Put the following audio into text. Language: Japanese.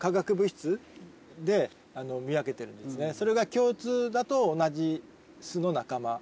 それが共通だと同じ巣の仲間。